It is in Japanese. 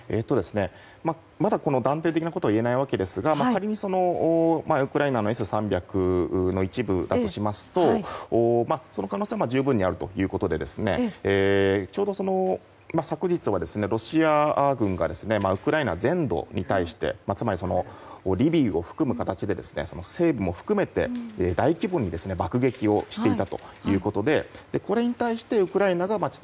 まだ断定的なことは言えないわけですが仮に、ウクライナのＳ３００の一部だとしますとその可能性は十分にあるということでちょうど昨日はロシア軍がウクライナ全土に対してつまり、リビウを含む形で西部も含めて大規模に爆撃をしていたということでこれに対してウクライナが地